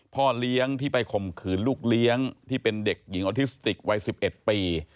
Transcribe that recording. พ่อเลี้ยงที่ไปข่มขืนลูกเลี้ยงที่เป็นเด็กหญิงออทิสติกวัย๑๑ปี